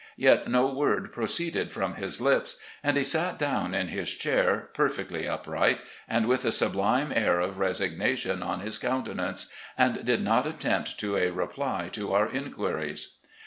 Yet no word proceeded from his lips, and he sat down in his chair perfectly upright and with a sublime air of resignation on his countenance, and did not attempt to a reply to our inquiries.